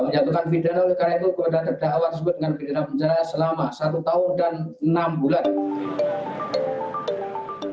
bidana karena itu kepada terdakwa tersebut dengan bidana penjelas selama satu tahun dan enam bulan